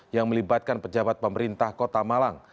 yang melibatkan pejabat pemerintah kota malang